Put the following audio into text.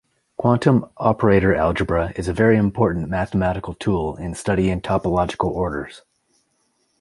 Quantum operator algebra is a very important mathematical tool in studying topological orders.